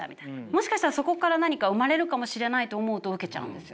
もしかしたらそこから何か生まれるかもしれないと思うと受けちゃうんですよ。